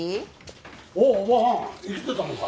おっおばはん生きてたのか？